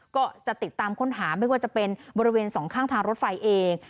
ก็จะติดตามค้นหาไม่ว่าจะเป็นบริเวณสองข้างทางรถไฟเอง